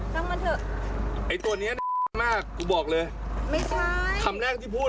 คำมาเถอะไอโตะเนี้ยมากบอกเลยไม่ใช่คำแรกที่พูด